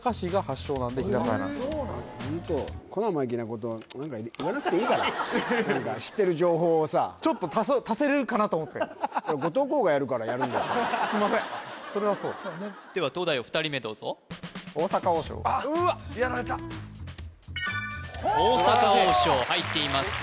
なんで日高屋なんですよ何か言わなくていいから知ってる情報をさちょっとすいませんそれはそうそうねでは東大王２人目どうぞうーわやられた大阪王将入っています